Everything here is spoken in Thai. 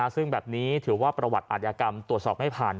ซึ่งแบบนี้ถือว่าประวัติอาทยากรรมตรวจสอบไม่ผ่าน